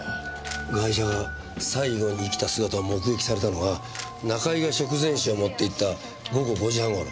被害者が最後に生きた姿を目撃されたのは仲居が食前酒を持っていった午後５時半ごろ。